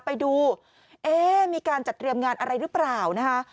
ไปดูเอ๊ะมีการจัดเตรียมงานอะไรหรือเปล่านะคะ